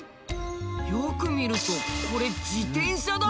よく見るとこれ自転車だ。